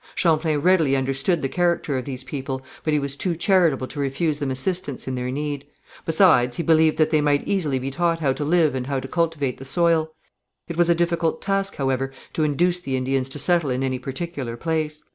Champlain readily understood the character of these people, but he was too charitable to refuse them assistance in their need; besides he believed that they might easily be taught how to live and how to cultivate the soil. It was a difficult task, however, to induce the Indians to settle in any particular place.